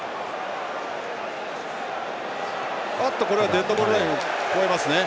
デッドボールラインを越えますね。